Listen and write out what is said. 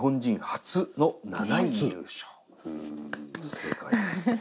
すごいですね。